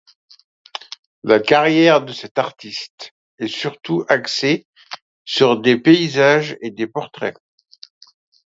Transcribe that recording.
La carrière de cet artiste est surtout axé sur des paysages et des portraits.